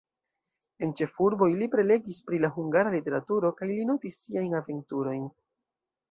En ĉefurboj li prelegis pri la hungara literaturo kaj li notis siajn aventurojn.